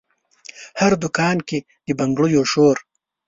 هر دکان کې د بنګړیو شور،